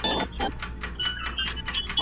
ایا ستا مقاله په کوم ویب سایټ کي خپره سوي ده؟